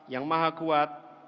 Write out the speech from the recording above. yang maha kuat